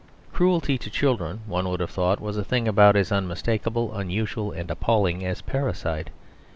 Cruelty to children, one would have thought, was a thing about as unmistakable, unusual and appalling as parricide.